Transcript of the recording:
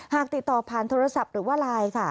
ติดต่อผ่านโทรศัพท์หรือว่าไลน์ค่ะ